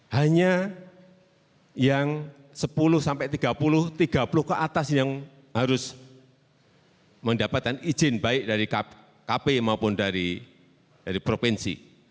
hanya yang sepuluh sampai tiga puluh tiga puluh ke atas yang harus mendapatkan izin baik dari kp maupun dari provinsi